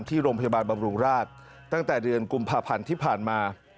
ที่โรงพยาบาลบำรุงราชตั้งแต่เดือนกุมภาพันธ์ที่ผ่านมา